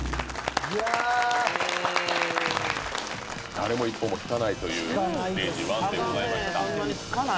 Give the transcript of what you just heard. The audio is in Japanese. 誰も一歩も引かないというステージ１でございました。